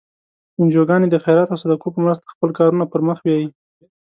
انجوګانې د خیرات او صدقو په مرستو خپل کارونه پر مخ بیایي.